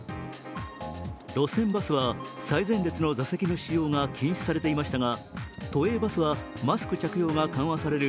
路線バスは最前列の座席の使用が禁止されていましたが都営バスは、マスク着用が緩和される